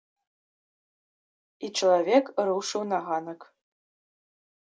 І чалавек рушыў на ганак.